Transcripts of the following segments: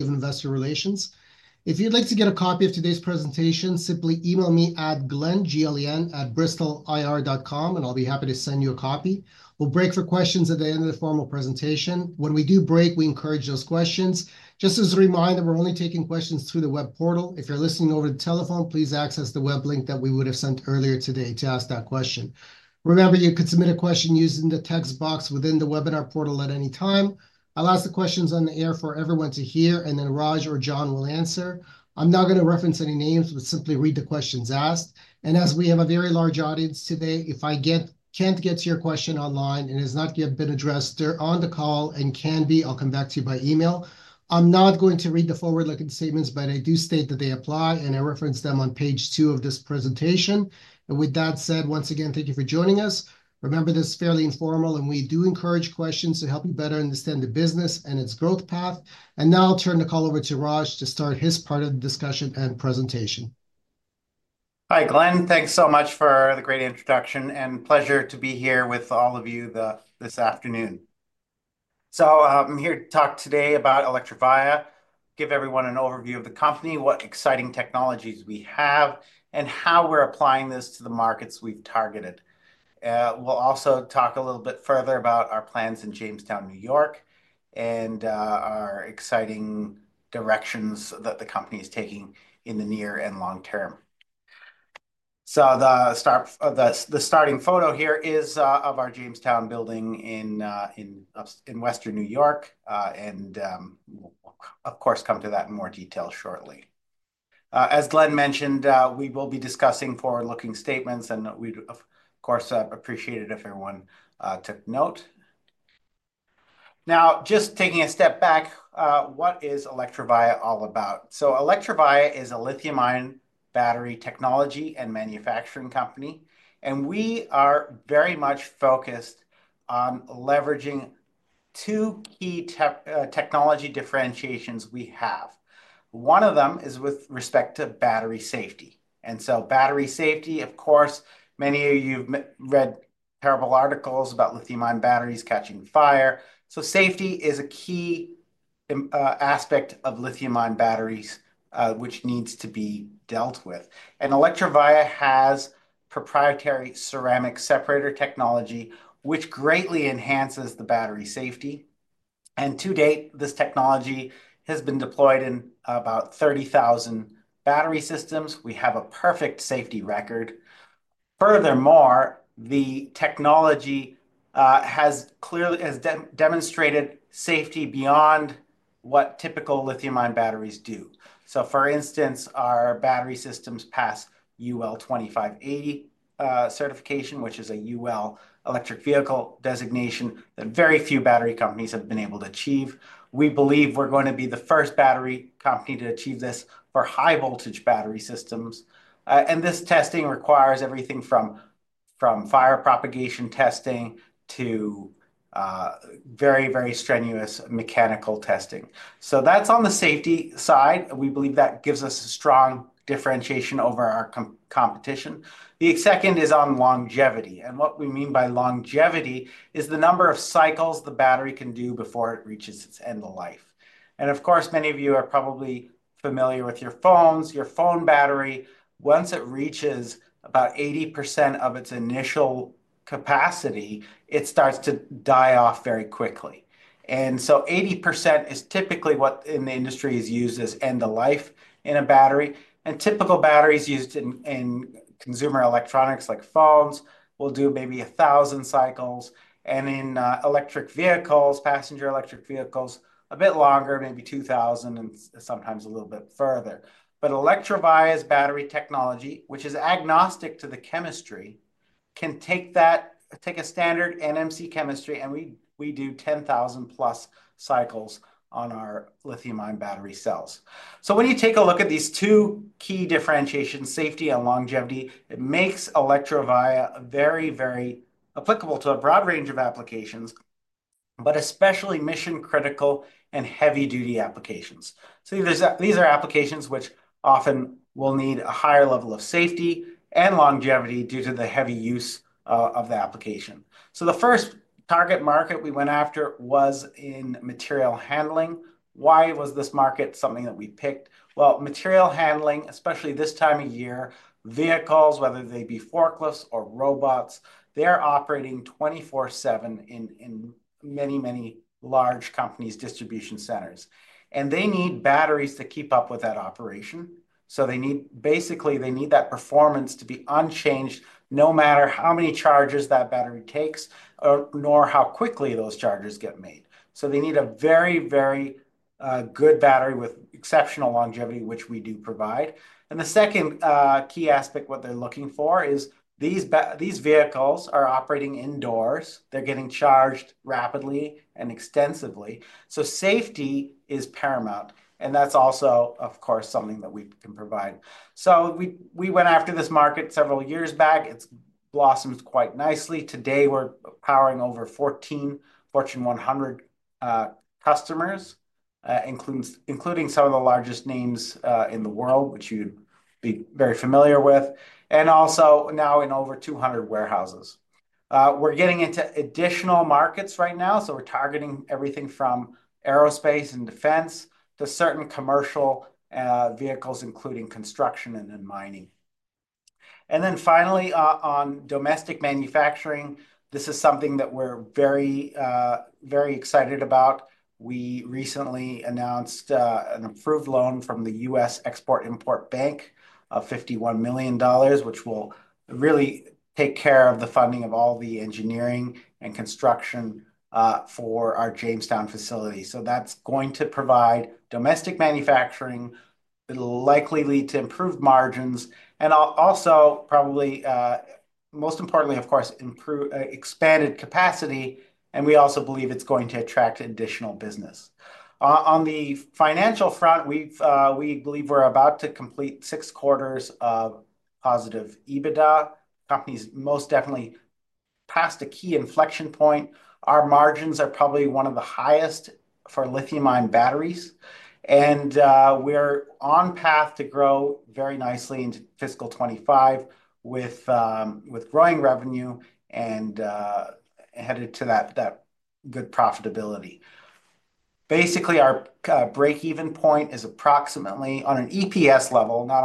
Of Investor Relations. If you'd like to get a copy of today's presentation, simply email me at glen@bristolir.com, and I'll be happy to send you a copy. We'll break for questions at the end of the formal presentation. When we do break, we encourage those questions. Just as a reminder, we're only taking questions through the web portal. If you're listening over the telephone, please access the web link that we would have sent earlier today to ask that question. Remember, you could submit a question using the text box within the webinar portal at any time. I'll ask the questions on the air for everyone to hear, and then Raj or John will answer. I'm not going to reference any names, but simply read the questions asked. And as we have a very large audience today, if I can't get to your question online and has not yet been addressed on the call and can be, I'll come back to you by email. I'm not going to read the forward-looking statements, but I do state that they apply, and I reference them on page two of this presentation. And with that said, once again, thank you for joining us. Remember, this is fairly informal, and we do encourage questions to help you better understand the business and its growth path. And now I'll turn the call over to Raj to start his part of the discussion and presentation. Hi, Glen. Thanks so much for the great introduction, and pleasure to be here with all of you this afternoon, so I'm here to talk today about Electrovaya, give everyone an overview of the company, what exciting technologies we have, and how we're applying this to the markets we've targeted. We'll also talk a little bit further about our plans in Jamestown, New York, and our exciting directions that the company is taking in the near and long term, so the starting photo here is of our Jamestown building in Western New York, and we'll, of course, come to that in more detail shortly. As Glen mentioned, we will be discussing forward-looking statements, and we'd, of course, appreciate it if everyone took note. Now, just taking a step back, what is Electrovaya all about? Electrovaya is a lithium-ion battery technology and manufacturing company, and we are very much focused on leveraging two key technology differentiations we have. One of them is with respect to battery safety. Battery safety, of course, many of you have read terrible articles about lithium-ion batteries catching fire. Safety is a key aspect of lithium-ion batteries, which needs to be dealt with. Electrovaya has proprietary ceramic separator technology, which greatly enhances the battery safety. To date, this technology has been deployed in about 30,000 battery systems. We have a perfect safety record. Furthermore, the technology has demonstrated safety beyond what typical lithium-ion batteries do. For instance, our battery systems pass UL 2580 certification, which is a UL electric vehicle designation that very few battery companies have been able to achieve. We believe we're going to be the first battery company to achieve this for high-voltage battery systems. And this testing requires everything from fire propagation testing to very, very strenuous mechanical testing. So that's on the safety side. We believe that gives us a strong differentiation over our competition. The second is on longevity. And what we mean by longevity is the number of cycles the battery can do before it reaches its end of life. And, of course, many of you are probably familiar with your phones, your phone battery. Once it reaches about 80% of its initial capacity, it starts to die off very quickly. And so 80% is typically what in the industry is used as end-of-life in a battery. And typical batteries used in consumer electronics like phones will do maybe 1,000 cycles. In electric vehicles, passenger electric vehicles, a bit longer, maybe 2,000, and sometimes a little bit further. But Electrovaya's battery technology, which is agnostic to the chemistry, can take a standard NMC chemistry, and we do 10,000-plus cycles on our lithium-ion battery cells. So when you take a look at these two key differentiations, safety and longevity, it makes Electrovaya very, very applicable to a broad range of applications, but especially mission-critical and heavy-duty applications. These are applications which often will need a higher level of safety and longevity due to the heavy use of the application. The first target market we went after was in material handling. Why was this market something that we picked? Well, material handling, especially this time of year, vehicles, whether they be forklifts or robots, they're operating 24/7 in many, many large companies' distribution centers. They need batteries to keep up with that operation. Basically, they need that performance to be unchanged no matter how many charges that battery takes, nor how quickly those charges get made. They need a very, very good battery with exceptional longevity, which we do provide. The second key aspect what they're looking for is these vehicles are operating indoors. They're getting charged rapidly and extensively. Safety is paramount. That's also, of course, something that we can provide. We went after this market several years back. It's blossomed quite nicely. Today, we're powering over 14 Fortune 100 customers, including some of the largest names in the world, which you'd be very familiar with, and also now in over 200 warehouses. We're getting into additional markets right now. We're targeting everything from aerospace and defense to certain commercial vehicles, including construction and mining. And then finally, on domestic manufacturing, this is something that we're very excited about. We recently announced an approved loan from the U.S. Export-Import Bank of $51 million, which will really take care of the funding of all the engineering and construction for our Jamestown facility. So that's going to provide domestic manufacturing, likely lead to improved margins, and also, probably most importantly, of course, expanded capacity. And we also believe it's going to attract additional business. On the financial front, we believe we're about to complete six quarters of positive EBITDA. Company has most definitely passed a key inflection point. Our margins are probably one of the highest for lithium-ion batteries. And we're on path to grow very nicely into fiscal 2025 with growing revenue and headed to that good profitability. Basically, our break-even point is approximately on an EPS level, not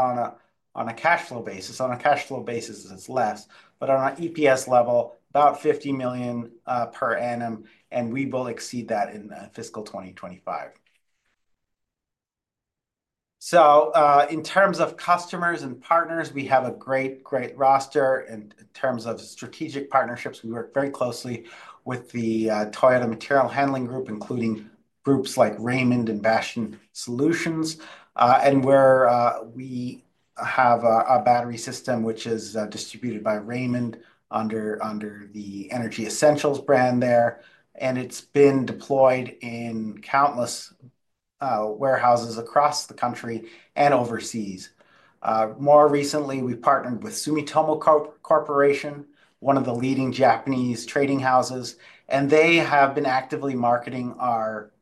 on a cash flow basis. On a cash flow basis, it's less. But on an EPS level, about $50 million per annum, and we will exceed that in fiscal 2025. So in terms of customers and partners, we have a great, great roster. And in terms of strategic partnerships, we work very closely with the Toyota Material Handling Group, including groups like Raymond and Bastian Solutions. And we have a battery system which is distributed by Raymond under the Energy Essentials brand there. And it's been deployed in countless warehouses across the country and overseas. More recently, we partnered with Sumitomo Corporation, one of the leading Japanese trading houses. And they have been actively marketing our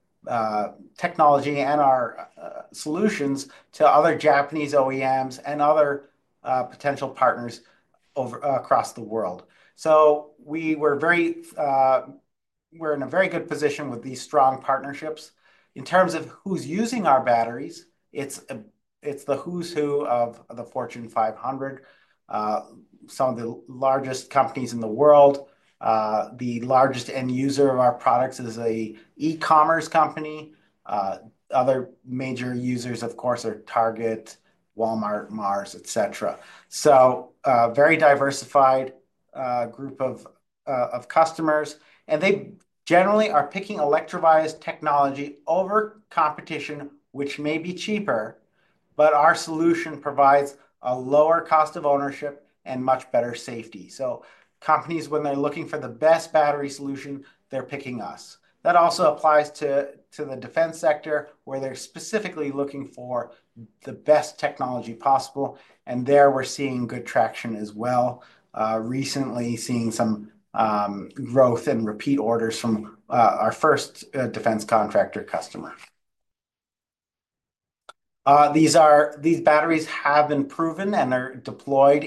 technology and our solutions to other Japanese OEMs and other potential partners across the world. So we're in a very good position with these strong partnerships. In terms of who's using our batteries, it's the who's who of the Fortune 500. Some of the largest companies in the world. The largest end user of our products is an e-commerce company. Other major users, of course, are Target, Walmart, Mars, etc. So a very diversified group of customers. And they generally are picking Electrovaya's technology over competition, which may be cheaper, but our solution provides a lower cost of ownership and much better safety. So companies, when they're looking for the best battery solution, they're picking us. That also applies to the defense sector, where they're specifically looking for the best technology possible. And there we're seeing good traction as well, recently seeing some growth and repeat orders from our first defense contractor customer. These batteries have been proven and are deployed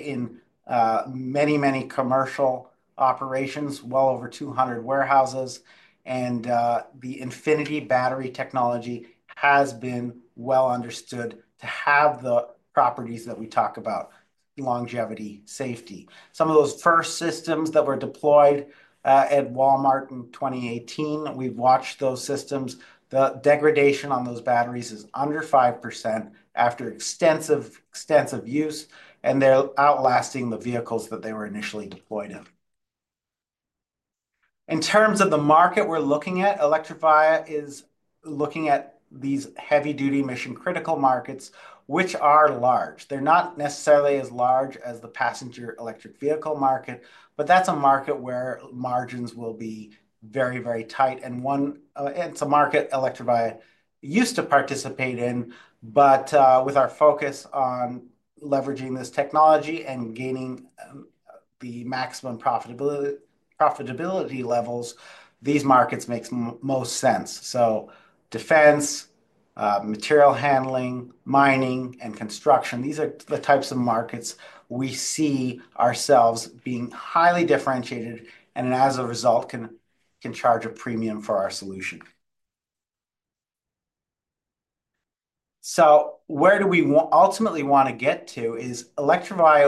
in many, many commercial operations, well over 200 warehouses. The Infinity battery technology has been well understood to have the properties that we talk about: longevity, safety. Some of those first systems that were deployed at Walmart in 2018, we've watched those systems. The degradation on those batteries is under 5% after extensive use, and they're outlasting the vehicles that they were initially deployed in. In terms of the market we're looking at, Electrovaya is looking at these heavy-duty mission-critical markets, which are large. They're not necessarily as large as the passenger electric vehicle market, but that's a market where margins will be very, very tight. It's a market Electrovaya used to participate in. With our focus on leveraging this technology and gaining the maximum profitability levels, these markets make the most sense. So defense, material handling, mining, and construction, these are the types of markets we see ourselves being highly differentiated and, as a result, can charge a premium for our solution. So where do we ultimately want to get to is Electrovaya.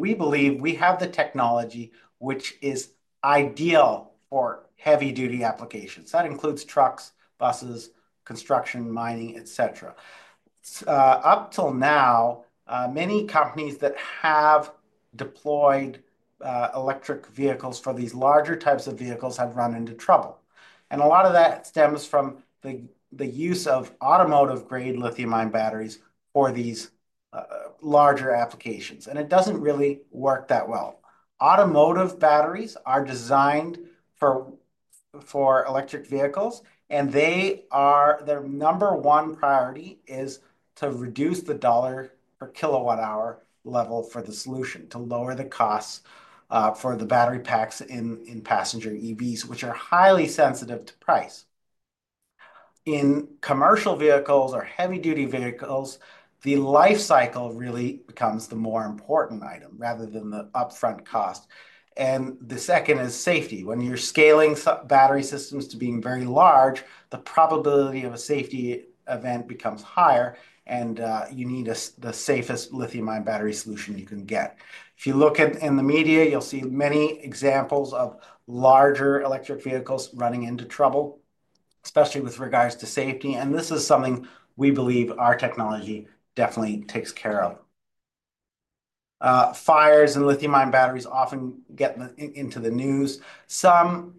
We believe we have the technology which is ideal for heavy-duty applications. That includes trucks, buses, construction, mining, etc. Up till now, many companies that have deployed electric vehicles for these larger types of vehicles have run into trouble. And a lot of that stems from the use of automotive-grade lithium-ion batteries for these larger applications. And it doesn't really work that well. Automotive batteries are designed for electric vehicles, and their number one priority is to reduce the dollar per kilowatt-hour level for the solution, to lower the costs for the battery packs in passenger EVs, which are highly sensitive to price. In commercial vehicles or heavy-duty vehicles, the life cycle really becomes the more important item rather than the upfront cost. And the second is safety. When you're scaling battery systems to being very large, the probability of a safety event becomes higher, and you need the safest lithium-ion battery solution you can get. If you look in the media, you'll see many examples of larger electric vehicles running into trouble, especially with regards to safety. And this is something we believe our technology definitely takes care of. Fires and lithium-ion batteries often get into the news. Some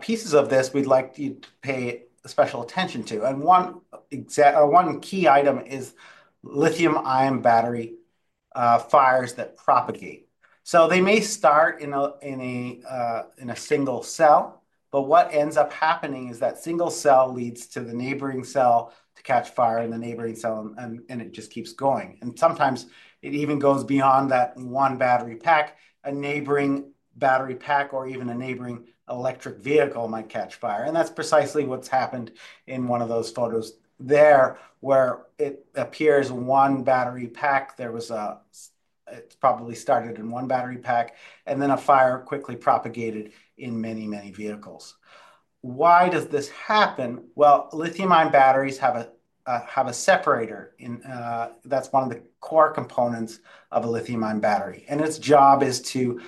pieces of this we'd like you to pay special attention to. And one key item is lithium-ion battery fires that propagate. So they may start in a single cell, but what ends up happening is that single cell leads to the neighboring cell to catch fire in the neighboring cell, and it just keeps going. And sometimes it even goes beyond that one battery pack. A neighboring battery pack or even a neighboring electric vehicle might catch fire. And that's precisely what's happened in one of those photos there, where it appears one battery pack. It probably started in one battery pack, and then a fire quickly propagated in many, many vehicles. Why does this happen? Well, lithium-ion batteries have a separator. That's one of the core components of a lithium-ion battery. And its job is to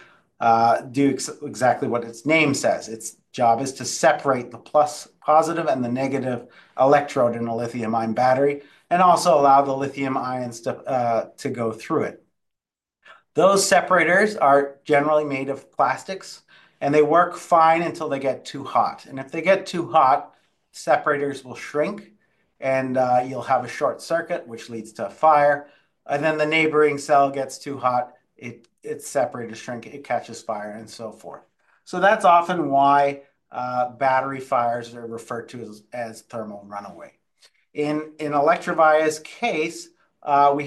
do exactly what its name says. Its job is to separate the positive and the negative electrode in a lithium-ion battery and also allow the lithium ions to go through it. Those separators are generally made of plastics, and they work fine until they get too hot, and if they get too hot, separators will shrink, and you'll have a short circuit, which leads to a fire, and then the neighboring cell gets too hot, its separators shrink, it catches fire, and so forth, so that's often why battery fires are referred to as thermal runaway. In Electrovaya's case, we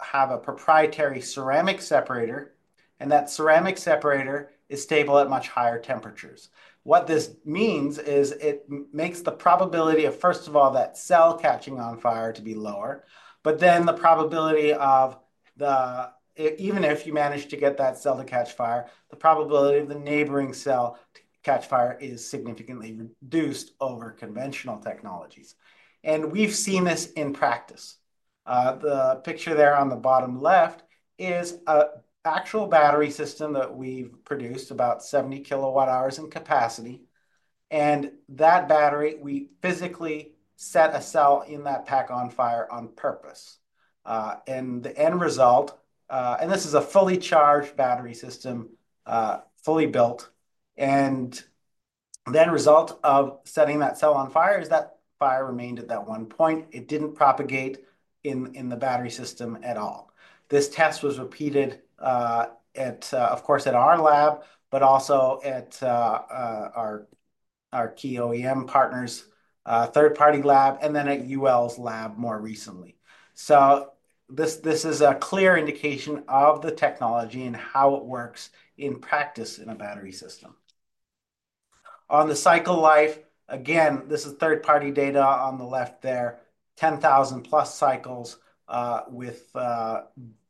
have a proprietary ceramic separator, and that ceramic separator is stable at much higher temperatures. What this means is it makes the probability of, first of all, that cell catching on fire to be lower, but then the probability of, even if you manage to get that cell to catch fire, the probability of the neighboring cell to catch fire is significantly reduced over conventional technologies, and we've seen this in practice. The picture there on the bottom left is an actual battery system that we've produced, about 70 kWh in capacity. And that battery, we physically set a cell in that pack on fire on purpose. And the end result, and this is a fully charged battery system, fully built. And the end result of setting that cell on fire is that fire remained at that one point. It didn't propagate in the battery system at all. This test was repeated, of course, at our lab, but also at our key OEM partners, third-party lab, and then at UL's lab more recently. So this is a clear indication of the technology and how it works in practice in a battery system. On the cycle life, again, this is third-party data on the left there, 10,000-plus cycles with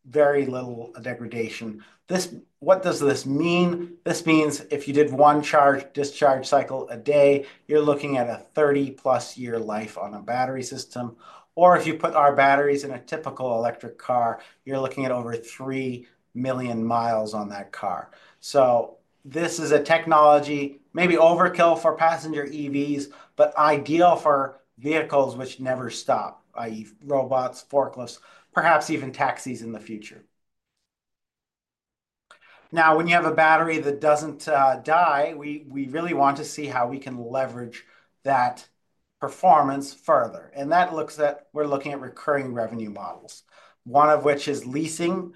very little degradation. What does this mean? This means if you did one charge/discharge cycle a day, you're looking at a 30-plus year life on a battery system, or if you put our batteries in a typical electric car, you're looking at over three million miles on that car. This is a technology maybe overkill for passenger EVs, but ideal for vehicles which never stop, i.e., robots, forklifts, perhaps even taxis in the future. Now, when you have a battery that doesn't die, we really want to see how we can leverage that performance further, and that looks at we're looking at recurring revenue models, one of which is leasing.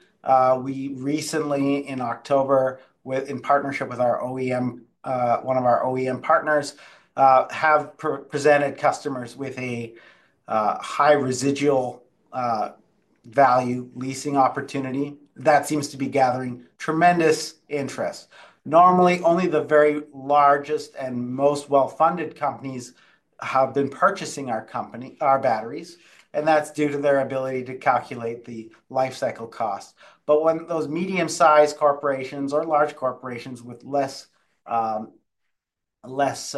We recently, in October, in partnership with one of our OEM partners, have presented customers with a high residual value leasing opportunity. That seems to be gathering tremendous interest. Normally, only the very largest and most well-funded companies have been purchasing our batteries. That's due to their ability to calculate the life cycle cost. But when those medium-sized corporations or large corporations with less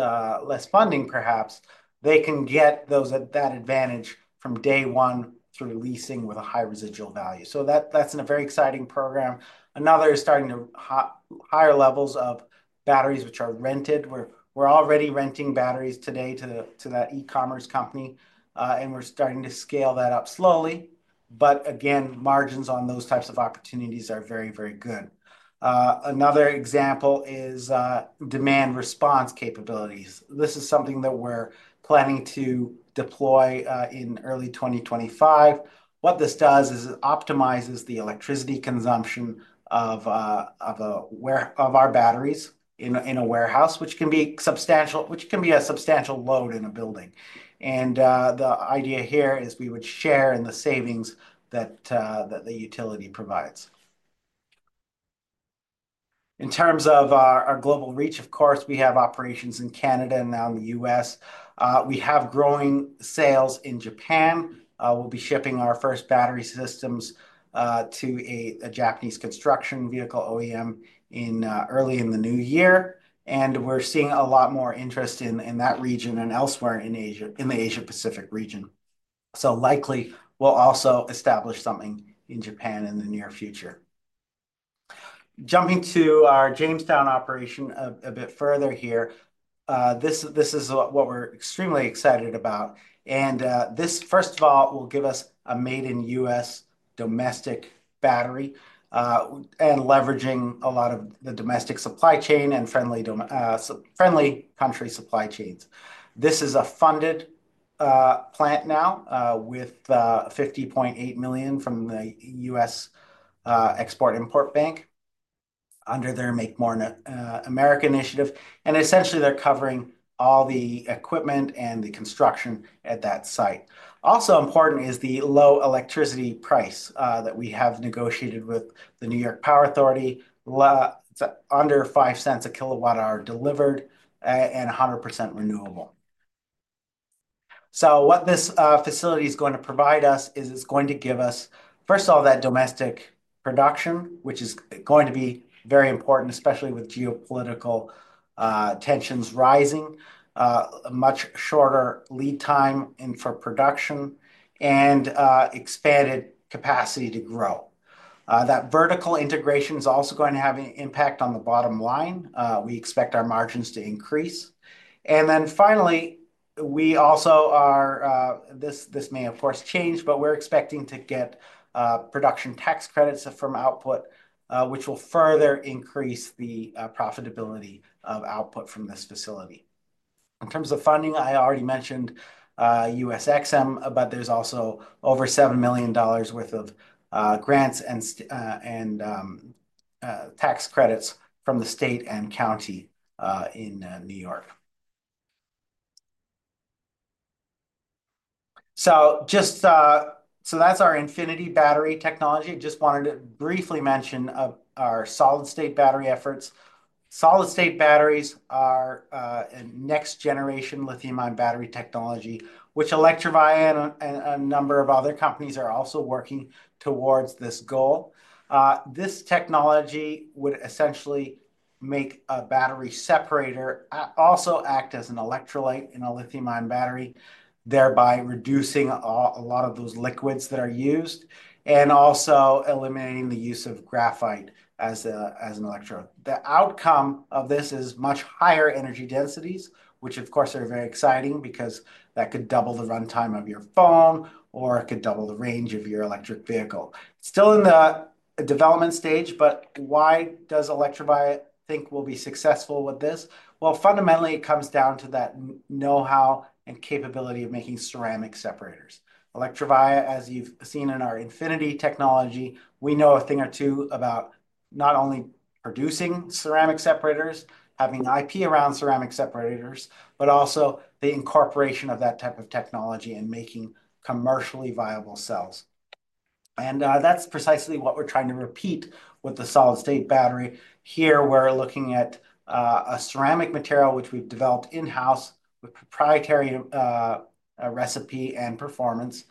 funding, perhaps, they can get that advantage from day one through leasing with a high residual value. So that's a very exciting program. Another is starting to higher levels of batteries which are rented. We're already renting batteries today to that e-commerce company, and we're starting to scale that up slowly. But again, margins on those types of opportunities are very, very good. Another example is demand response capabilities. This is something that we're planning to deploy in early 2025. What this does is it optimizes the electricity consumption of our batteries in a warehouse, which can be a substantial load in a building. And the idea here is we would share in the savings that the utility provides. In terms of our global reach, of course, we have operations in Canada and now in the U.S. We have growing sales in Japan. We'll be shipping our first battery systems to a Japanese construction vehicle OEM early in the new year, and we're seeing a lot more interest in that region and elsewhere in the Asia-Pacific region, so likely, we'll also establish something in Japan in the near future. Jumping to our Jamestown operation a bit further here, this is what we're extremely excited about, and this, first of all, will give us a made-in-U.S. domestic battery and leveraging a lot of the domestic supply chain and friendly country supply chains. This is a funded plant now with $50.8 million from the U.S. Export-Import Bank under their Make More in America initiative, and essentially, they're covering all the equipment and the construction at that site. Also important is the low electricity price that we have negotiated with the New York Power Authority. It's under $0.05 a kilowatt-hour delivered and 100% renewable. What this facility is going to provide us is it's going to give us, first of all, that domestic production, which is going to be very important, especially with geopolitical tensions rising, a much shorter lead time for production, and expanded capacity to grow. That vertical integration is also going to have an impact on the bottom line. We expect our margins to increase. And then finally, we also are. This may, of course, change, but we're expecting to get production tax credits from output, which will further increase the profitability of output from this facility. In terms of funding, I already mentioned EXIM, but there's also over $7 million worth of grants and tax credits from the state and county in New York. So that's our Infinity battery technology. I just wanted to briefly mention our solid-state battery efforts. Solid-state batteries are a next-generation lithium-ion battery technology, which Electrovaya and a number of other companies are also working towards this goal. This technology would essentially make a battery separator also act as an electrolyte in a lithium-ion battery, thereby reducing a lot of those liquids that are used and also eliminating the use of graphite as an electrode. The outcome of this is much higher energy densities, which, of course, are very exciting because that could double the runtime of your phone or it could double the range of your electric vehicle. Still in the development stage, but why does Electrovaya think we'll be successful with this? Well, fundamentally, it comes down to that know-how and capability of making ceramic separators. Electrovaya, as you've seen in our Infinity technology, we know a thing or two about not only producing ceramic separators, having IP around ceramic separators, but also the incorporation of that type of technology and making commercially viable cells. And that's precisely what we're trying to repeat with the solid-state battery. Here, we're looking at a ceramic material which we've developed in-house with proprietary recipe and performance,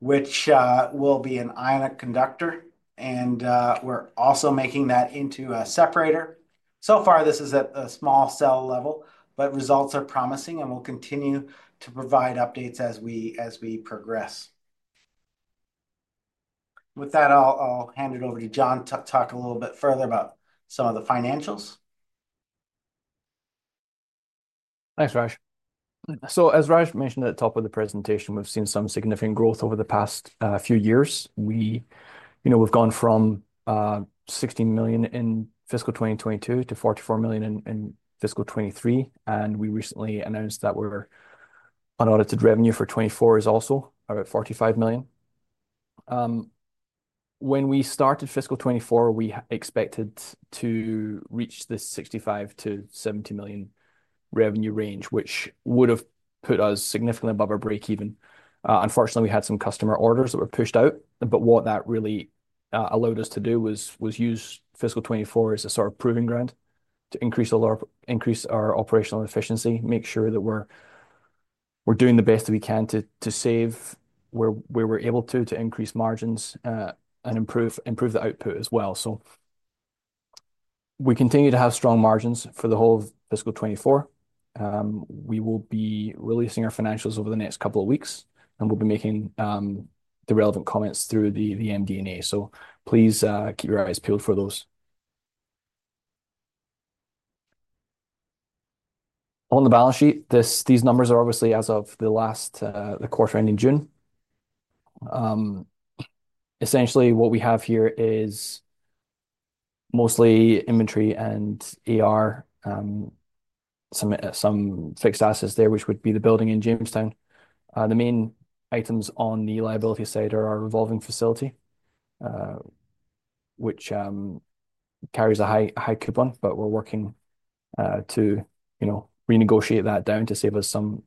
which will be an ionic conductor. And we're also making that into a separator. So far, this is at a small cell level, but results are promising, and we'll continue to provide updates as we progress. With that, I'll hand it over to John to talk a little bit further about some of the financials. Thanks, Raj. So as Raj mentioned at the top of the presentation, we've seen some significant growth over the past few years. We've gone from $16 million in fiscal 2022 to $44 million in fiscal 2023. And we recently announced that our audited revenue for 2024 is also about $45 million. When we started fiscal 2024, we expected to reach the $65 million-$70 million revenue range, which would have put us significantly above our break-even. Unfortunately, we had some customer orders that were pushed out. But what that really allowed us to do was use fiscal 2024 as a sort of proving ground to increase our operational efficiency, make sure that we're doing the best that we can to save where we're able to, to increase margins and improve the output as well. So we continue to have strong margins for the whole of fiscal 2024. We will be releasing our financials over the next couple of weeks, and we'll be making the relevant comments through the MD&A. So please keep your eyes peeled for those. On the balance sheet, these numbers are obviously as of the quarter ending June. Essentially, what we have here is mostly inventory and some fixed assets there, which would be the building in Jamestown. The main items on the liability side are our revolving facility, which carries a high coupon, but we're working to renegotiate that down to save us some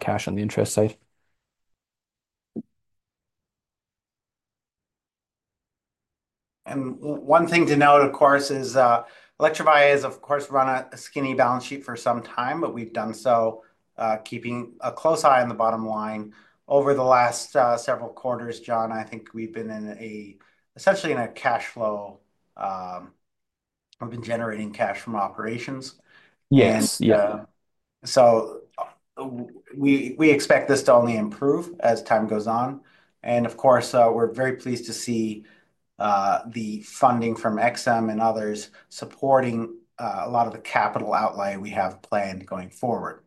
cash on the interest side. One thing to note, of course, is Electrovaya has, of course, run a skinny balance sheet for some time, but we've done so keeping a close eye on the bottom line. Over the last several quarters, John, I think we've been essentially in a cash flow. We've been generating cash from operations. Yes. So we expect this to only improve as time goes on. And of course, we're very pleased to see the funding from EXIM and others supporting a lot of the capital outlay we have planned going forward.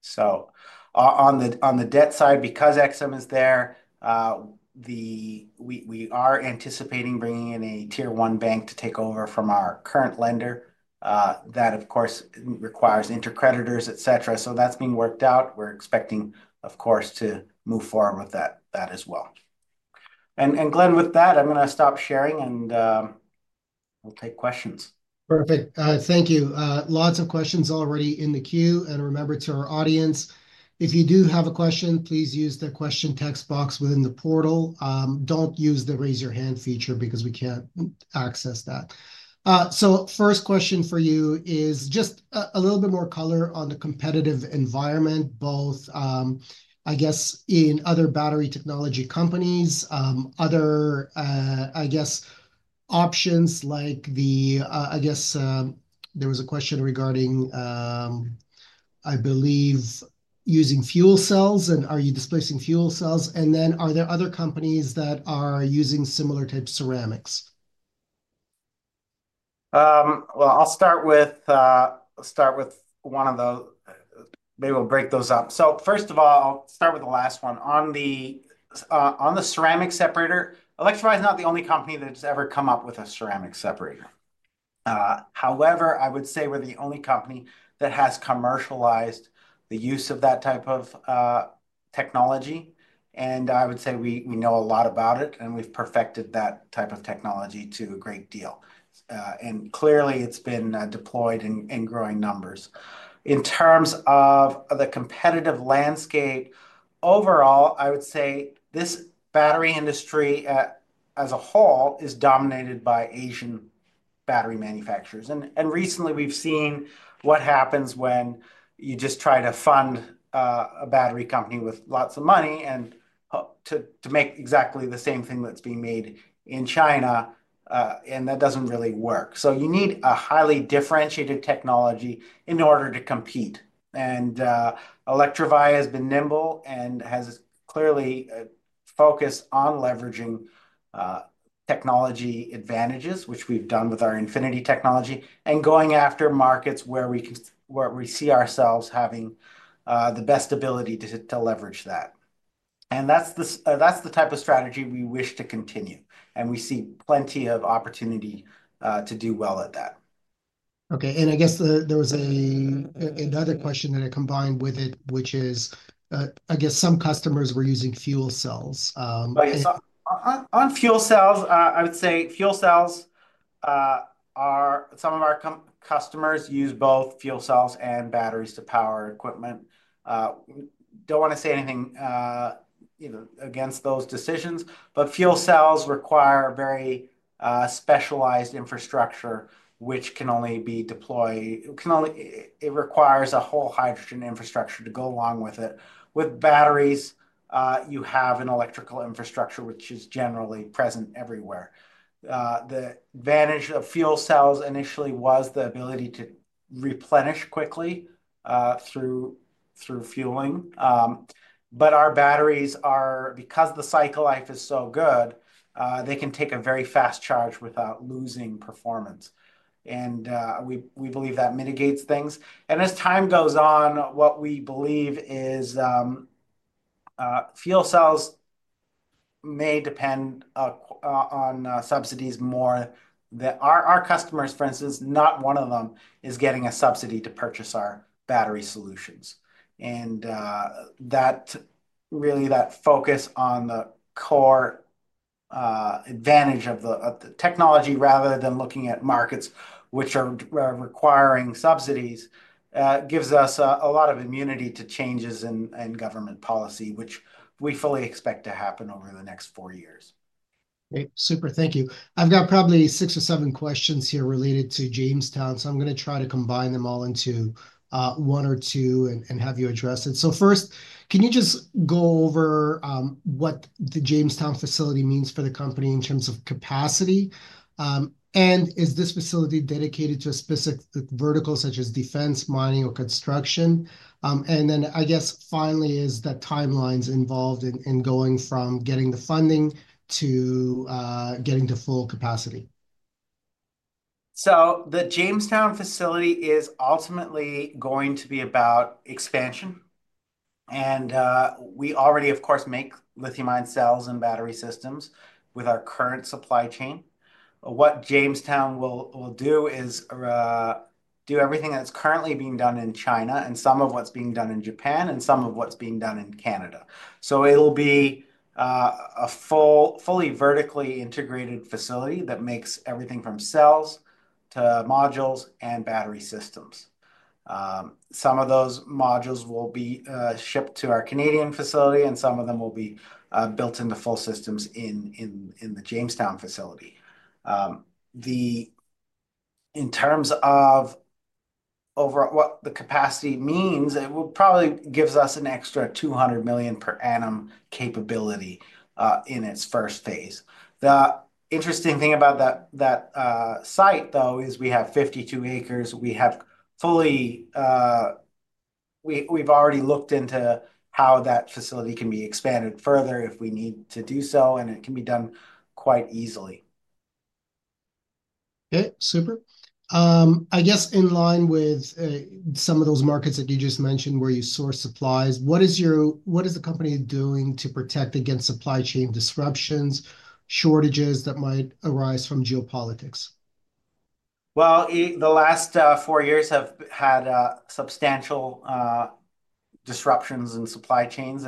So on the debt side, because EXIM is there, we are anticipating bringing in a tier one bank to take over from our current lender. That, of course, requires intercreditors, etc. So that's being worked out. We're expecting, of course, to move forward with that as well. And Glenn, with that, I'm going to stop sharing, and we'll take questions. Perfect. Thank you. Lots of questions already in the queue. And remember to our audience, if you do have a question, please use the question text box within the portal. Don't use the raise your hand feature because we can't access that. So first question for you is just a little bit more color on the competitive environment, both, I guess, in other battery technology companies, other, I guess, options like the, I guess, there was a question regarding, I believe, using fuel cells, and are you displacing fuel cells? And then are there other companies that are using similar type ceramics? First of all, I'll start with the last one. On the ceramic separator, Electrovaya is not the only company that's ever come up with a ceramic separator. However, I would say we're the only company that has commercialized the use of that type of technology. And I would say we know a lot about it, and we've perfected that type of technology to a great deal. And clearly, it's been deployed in growing numbers. In terms of the competitive landscape, overall, I would say this battery industry as a whole is dominated by Asian battery manufacturers. And recently, we've seen what happens when you just try to fund a battery company with lots of money and to make exactly the same thing that's being made in China. And that doesn't really work. So you need a highly differentiated technology in order to compete. And Electrovaya has been nimble and has clearly focused on leveraging technology advantages, which we've done with our Infinity technology, and going after markets where we see ourselves having the best ability to leverage that. And that's the type of strategy we wish to continue. And we see plenty of opportunity to do well at that. Okay. And I guess there was another question that I combined with it, which is, I guess, some customers were using fuel cells. On fuel cells, I would say fuel cells. Some of our customers use both fuel cells and batteries to power equipment. Don't want to say anything against those decisions, but fuel cells require very specialized infrastructure, which can only be deployed. It requires a whole hydrogen infrastructure to go along with it. With batteries, you have an electrical infrastructure, which is generally present everywhere. The advantage of fuel cells initially was the ability to replenish quickly through fueling. But our batteries, because the cycle life is so good, they can take a very fast charge without losing performance. And we believe that mitigates things. And as time goes on, what we believe is fuel cells may depend on subsidies more. Our customers, for instance, not one of them is getting a subsidy to purchase our battery solutions. Really, that focus on the core advantage of the technology rather than looking at markets which are requiring subsidies gives us a lot of immunity to changes in government policy, which we fully expect to happen over the next four years. Great. Super. Thank you. I've got probably six or seven questions here related to Jamestown. So I'm going to try to combine them all into one or two and have you address it. So first, can you just go over what the Jamestown facility means for the company in terms of capacity? And is this facility dedicated to a specific vertical such as defense, mining, or construction? And then I guess finally, is the timelines involved in going from getting the funding to getting to full capacity? The Jamestown facility is ultimately going to be about expansion. We already, of course, make lithium-ion cells and battery systems with our current supply chain. What Jamestown will do is do everything that's currently being done in China and some of what's being done in Japan and some of what's being done in Canada. It'll be a fully vertically integrated facility that makes everything from cells to modules and battery systems. Some of those modules will be shipped to our Canadian facility, and some of them will be built into full systems in the Jamestown facility. In terms of what the capacity means, it probably gives us an extra $200 million per annum capability in its first phase. The interesting thing about that site, though, is we have 52 acres. We've already looked into how that facility can be expanded further if we need to do so, and it can be done quite easily. Okay. Super. I guess in line with some of those markets that you just mentioned where you source supplies, what is the company doing to protect against supply chain disruptions, shortages that might arise from geopolitics? The last four years have had substantial disruptions in supply chains.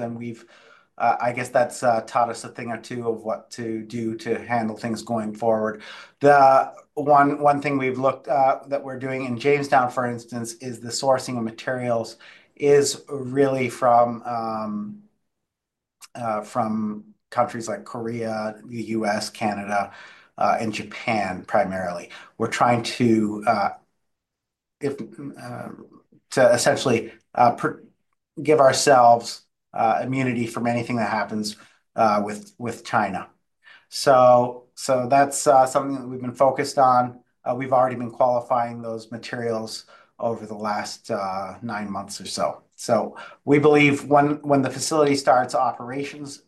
I guess that's taught us a thing or two of what to do to handle things going forward. One thing that we're doing in Jamestown, for instance, is the sourcing of materials really from countries like Korea, the U.S., Canada, and Japan primarily. We're trying to essentially give ourselves immunity from anything that happens with China. That's something that we've been focused on. We've already been qualifying those materials over the last nine months or so. We believe when the facility starts operations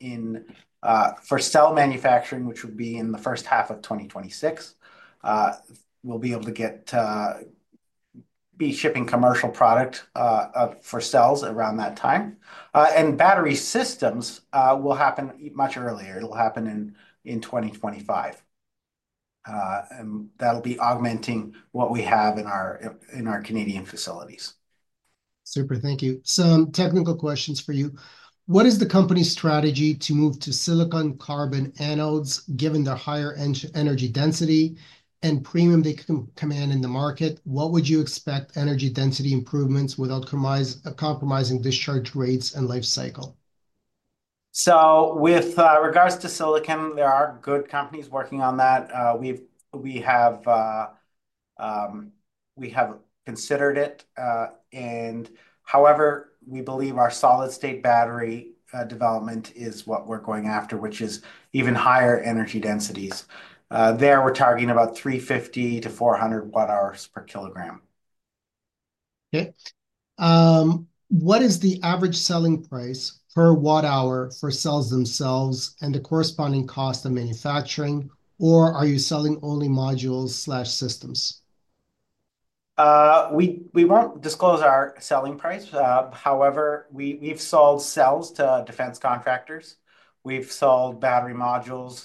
for cell manufacturing, which would be in the first half of 2026, we'll be able to be shipping commercial product for cells around that time. Battery systems will happen much earlier. It'll happen in 2025. That'll be augmenting what we have in our Canadian facilities. Super. Thank you. Some technical questions for you. What is the company's strategy to move to silicon carbon anodes, given their higher energy density and premium they can command in the market? What would you expect energy density improvements without compromising discharge rates and life cycle? So with regards to silicon, there are good companies working on that. We have considered it. And however, we believe our solid-state battery development is what we're going after, which is even higher energy densities. There, we're targeting about 350-400 Wh per kilogram. Okay. What is the average selling price per watt-hour for cells themselves and the corresponding cost of manufacturing, or are you selling only modules/systems? We won't disclose our selling price. However, we've sold cells to defense contractors. We've sold battery modules.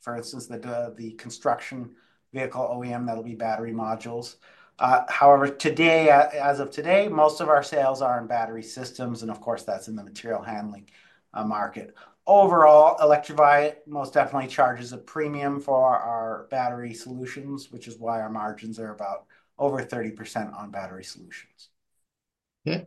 For instance, the construction vehicle OEM, that'll be battery modules. However, as of today, most of our sales are in battery systems. And of course, that's in the material handling market. Overall, Electrovaya most definitely charges a premium for our battery solutions, which is why our margins are about over 30% on battery solutions. Okay.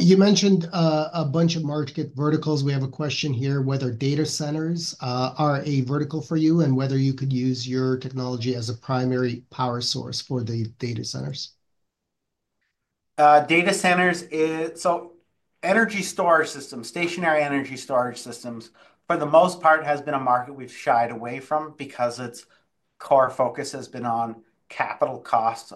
You mentioned a bunch of market verticals. We have a question here whether data centers are a vertical for you and whether you could use your technology as a primary power source for the data centers? Data centers, so energy storage systems, stationary energy storage systems, for the most part, has been a market we've shied away from because its core focus has been on capital costs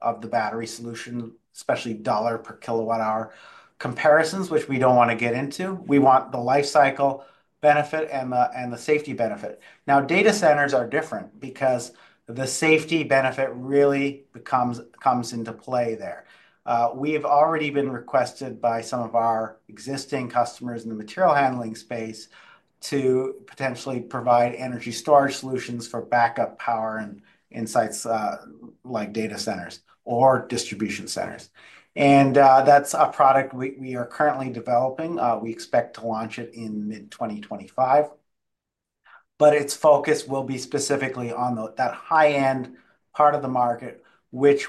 of the battery solution, especially dollar per kilowatt-hour comparisons, which we don't want to get into. We want the life cycle benefit and the safety benefit. Now, data centers are different because the safety benefit really comes into play there. We have already been requested by some of our existing customers in the material handling space to potentially provide energy storage solutions for backup power in sites like data centers or distribution centers. And that's a product we are currently developing. We expect to launch it in mid-2025. But its focus will be specifically on that high-end part of the market, which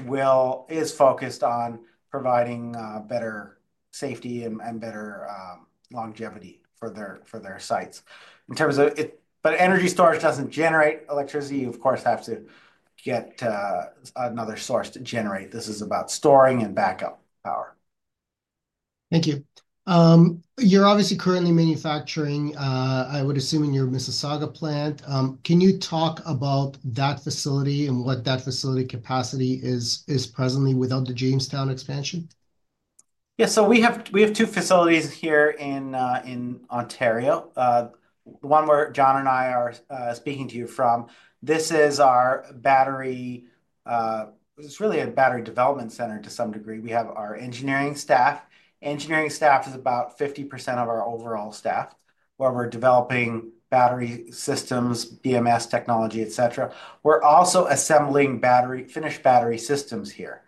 is focused on providing better safety and better longevity for their sites. But energy storage doesn't generate electricity. You, of course, have to get another source to generate. This is about storing and backup power. Thank you. You're obviously currently manufacturing, I would assume, in your Mississauga plant. Can you talk about that facility and what that facility capacity is presently without the Jamestown expansion? Yeah. So we have two facilities here in Ontario. The one where John and I are speaking to you from, this is our battery; it's really a battery development center to some degree. We have our engineering staff. Engineering staff is about 50% of our overall staff, where we're developing battery systems, BMS technology, etc. We're also assembling finished battery systems here.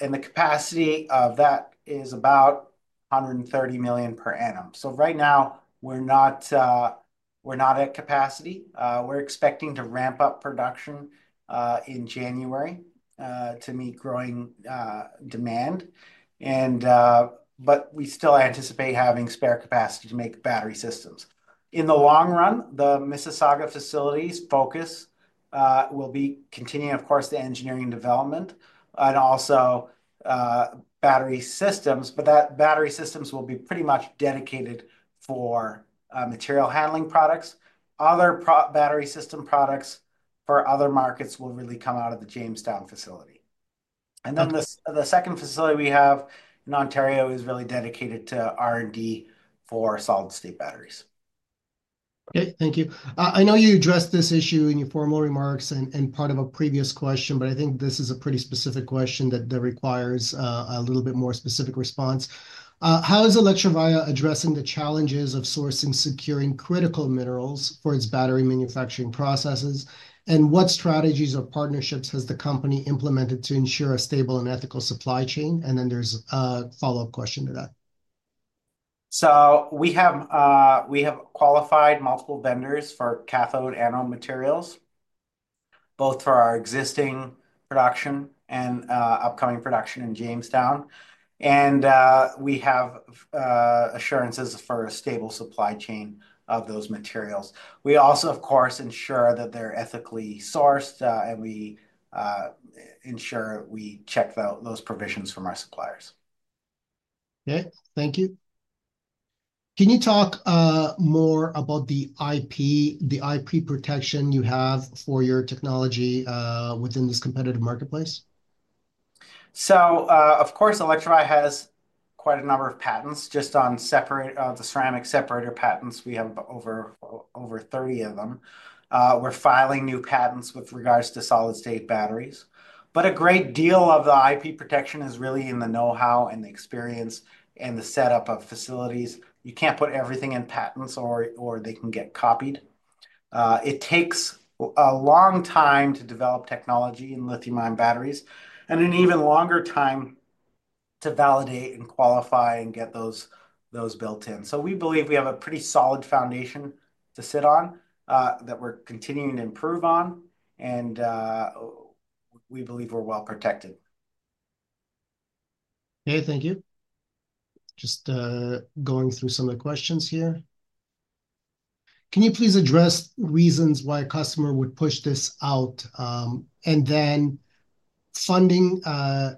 And the capacity of that is about $130 million per annum. So right now, we're not at capacity. We're expecting to ramp up production in January to meet growing demand. But we still anticipate having spare capacity to make battery systems. In the long run, the Mississauga facility's focus will be continuing, of course, the engineering development and also battery systems. But that battery systems will be pretty much dedicated for material handling products. Other battery system products for other markets will really come out of the Jamestown facility, and then the second facility we have in Ontario is really dedicated to R&D for solid-state batteries. Okay. Thank you. I know you addressed this issue in your formal remarks and part of a previous question, but I think this is a pretty specific question that requires a little bit more specific response. How is Electrovaya addressing the challenges of sourcing and securing critical minerals for its battery manufacturing processes? And what strategies or partnerships has the company implemented to ensure a stable and ethical supply chain? And then there's a follow-up question to that. We have qualified multiple vendors for cathode anode materials, both for our existing production and upcoming production in Jamestown. We have assurances for a stable supply chain of those materials. We also, of course, ensure that they're ethically sourced, and we ensure we check those provisions from our suppliers. Okay. Thank you. Can you talk more about the IP protection you have for your technology within this competitive marketplace? So of course, Electrovaya has quite a number of patents just on the ceramic separator patents. We have over 30 of them. We're filing new patents with regards to solid-state batteries. But a great deal of the IP protection is really in the know-how and the experience and the setup of facilities. You can't put everything in patents or they can get copied. It takes a long time to develop technology in lithium-ion batteries and an even longer time to validate and qualify and get those built in. So we believe we have a pretty solid foundation to sit on that we're continuing to improve on. And we believe we're well protected. Okay. Thank you. Just going through some of the questions here. Can you please address reasons why a customer would push this out? And then funding, I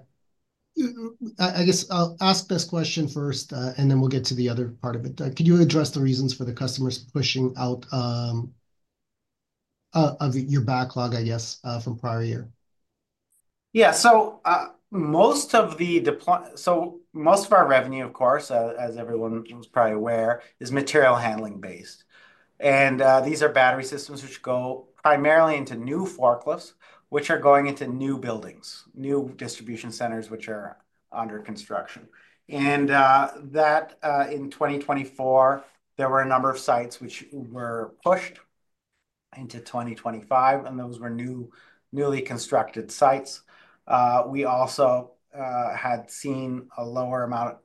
guess I'll ask this question first, and then we'll get to the other part of it. Could you address the reasons for the customers pushing out of your backlog, I guess, from prior year? Yeah. So most of our revenue, of course, as everyone is probably aware, is material handling-based. And these are battery systems which go primarily into new forklifts, which are going into new buildings, new distribution centers, which are under construction. And in 2024, there were a number of sites which were pushed into 2025, and those were newly constructed sites. We also had seen a lower amount,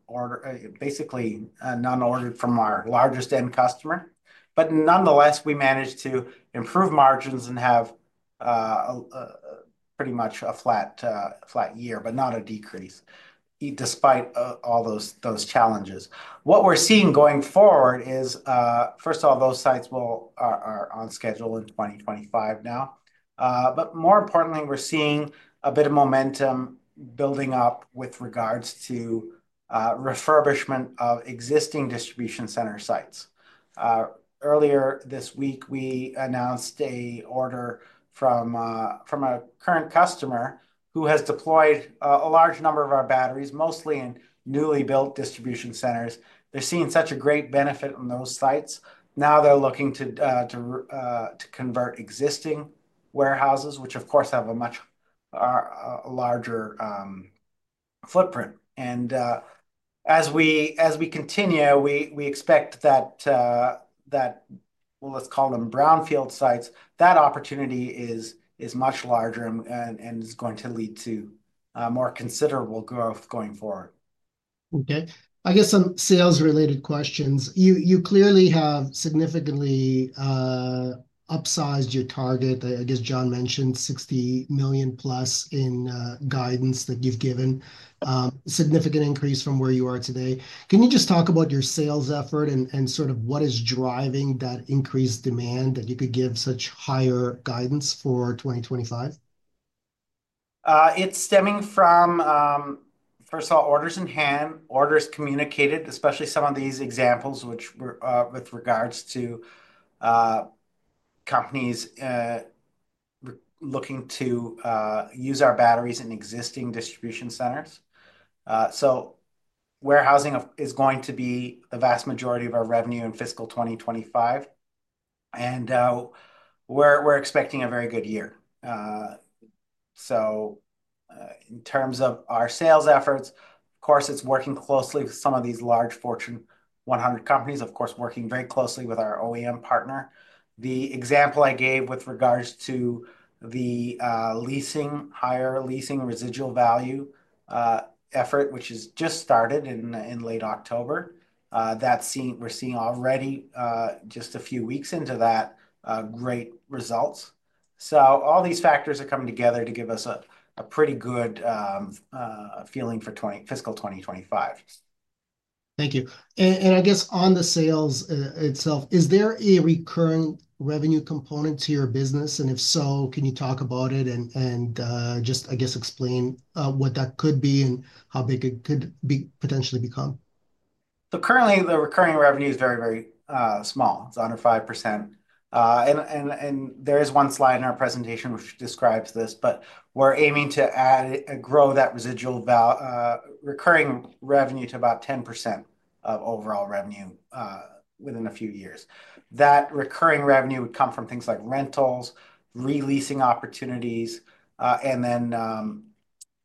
basically non-ordered from our largest-end customer. But nonetheless, we managed to improve margins and have pretty much a flat year, but not a decrease, despite all those challenges. What we're seeing going forward is, first of all, those sites are on schedule in 2025 now. But more importantly, we're seeing a bit of momentum building up with regards to refurbishment of existing distribution center sites. Earlier this week, we announced an order from a current customer who has deployed a large number of our batteries, mostly in newly built distribution centers. They're seeing such a great benefit on those sites. Now they're looking to convert existing warehouses, which, of course, have a much larger footprint, and as we continue, we expect that, well, let's call them brownfield sites, that opportunity is much larger and is going to lead to more considerable growth going forward. Okay. I guess some sales-related questions. You clearly have significantly upsized your target. I guess John mentioned $60 million plus in guidance that you've given, significant increase from where you are today. Can you just talk about your sales effort and sort of what is driving that increased demand that you could give such higher guidance for 2025? It's stemming from, first of all, orders in hand, orders communicated, especially some of these examples with regards to companies looking to use our batteries in existing distribution centers. So warehousing is going to be the vast majority of our revenue in fiscal 2025. And we're expecting a very good year. So in terms of our sales efforts, of course, it's working closely with some of these large Fortune 100 companies, of course, working very closely with our OEM partner. The example I gave with regards to the higher leasing residual value effort, which has just started in late October, we're seeing already just a few weeks into that great results. So all these factors are coming together to give us a pretty good feeling for fiscal 2025. Thank you. And I guess on the sales itself, is there a recurring revenue component to your business? And if so, can you talk about it and just, I guess, explain what that could be and how big it could potentially become? Currently, the recurring revenue is very, very small. It's under 5%. There is one slide in our presentation which describes this, but we're aiming to grow that recurring revenue to about 10% of overall revenue within a few years. That recurring revenue would come from things like rentals, leasing opportunities, and then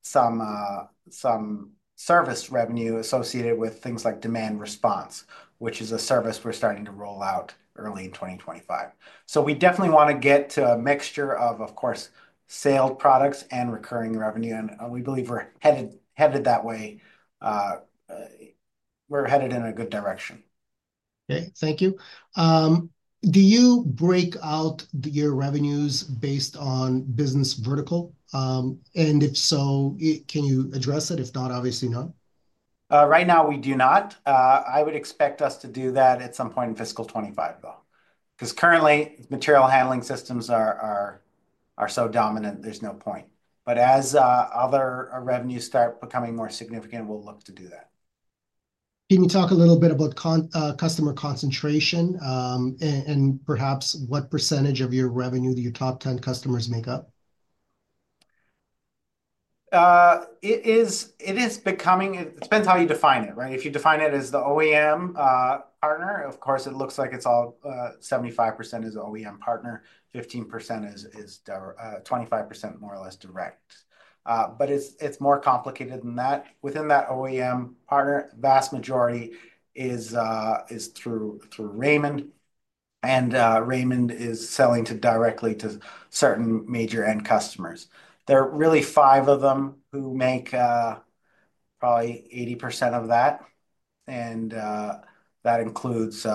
some service revenue associated with things like demand response, which is a service we're starting to roll out early in 2025. We definitely want to get to a mixture of, of course, sales products and recurring revenue. We believe we're headed that way. We're headed in a good direction. Okay. Thank you. Do you break out your revenues based on business vertical? And if so, can you address it? If not, obviously not. Right now, we do not. I would expect us to do that at some point in fiscal 2025, though, because currently, material handling systems are so dominant, there's no point. But as other revenues start becoming more significant, we'll look to do that. Can you talk a little bit about customer concentration and perhaps what percentage of your revenue your top 10 customers make up? It depends how you define it, right? If you define it as the OEM partner, of course, it looks like it's all 75% is OEM partner, 15%-25% more or less direct. But it's more complicated than that. Within that OEM partner, the vast majority is through Raymond. And Raymond is selling directly to certain major end customers. There are really five of them who make probably 80% of that. And that includes some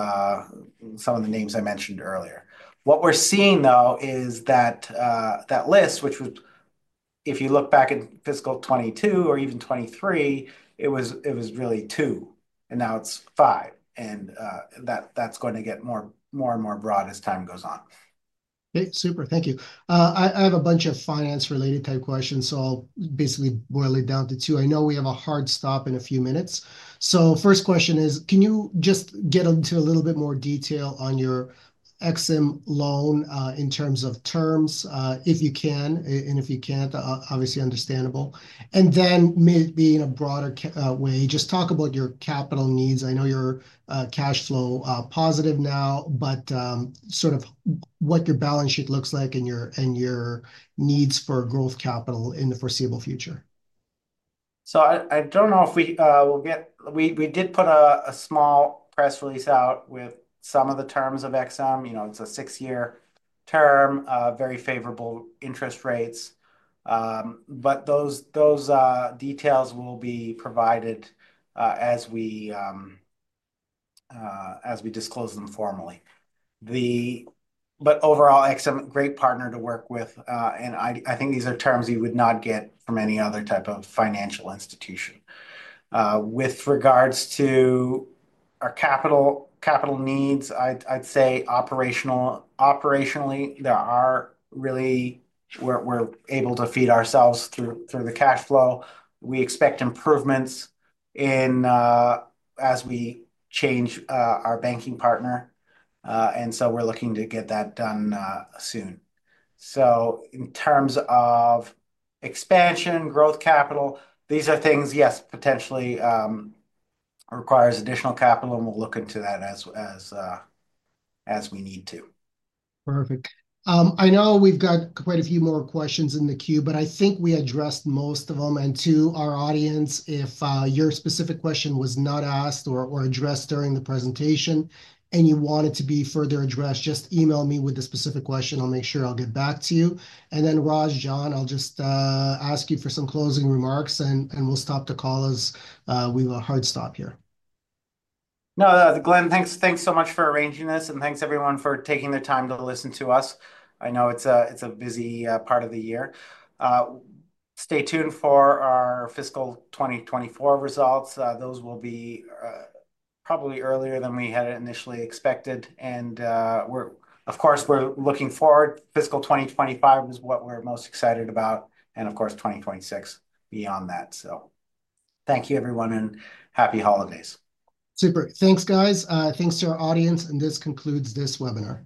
of the names I mentioned earlier. What we're seeing, though, is that list, which was, if you look back in fiscal 2022 or even 2023, it was really two, and now it's five. And that's going to get more and more broad as time goes on. Okay. Super. Thank you. I have a bunch of finance-related type questions, so I'll basically boil it down to two. I know we have a hard stop in a few minutes. So first question is, can you just get into a little bit more detail on your EXIM loan in terms of terms, if you can? And if you can't, obviously understandable. And then maybe in a broader way, just talk about your capital needs. I know your cash flow is positive now, but sort of what your balance sheet looks like and your needs for growth capital in the foreseeable future. So, I don't know if we will get. We did put a small press release out with some of the terms of EXIM. It's a six-year term, very favorable interest rates. But those details will be provided as we disclose them formally. But overall, EXIM, great partner to work with. I think these are terms you would not get from any other type of financial institution. With regards to our capital needs, I'd say operationally, there are. Really, we're able to feed ourselves through the cash flow. We expect improvements as we change our banking partner. So we're looking to get that done soon. In terms of expansion, growth capital, these are things, yes, potentially require additional capital, and we'll look into that as we need to. Perfect. I know we've got quite a few more questions in the queue, but I think we addressed most of them, and to our audience, if your specific question was not asked or addressed during the presentation and you want it to be further addressed, just email me with the specific question. I'll make sure I'll get back to you, and then, Raj, John, I'll just ask you for some closing remarks, and we'll stop the call as we have a hard stop here. No, Glenn, thanks so much for arranging this, and thanks everyone for taking the time to listen to us. I know it's a busy part of the year. Stay tuned for our fiscal 2024 results. Those will be probably earlier than we had initially expected. And of course, we're looking forward. Fiscal 2025 is what we're most excited about. And of course, 2026 beyond that. So thank you, everyone, and happy holidays. Super. Thanks, guys. Thanks to our audience. And this concludes this webinar.